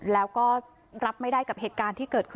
แล้วก็รับไม่ได้กับเหตุการณ์ที่เกิดขึ้น